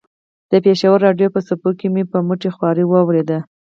د پېښور راډیو په څپو کې مې په مټې خوارۍ واورېده.